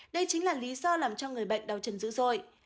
đây chính là lý do làm cho người bệnh đau chân dữ dội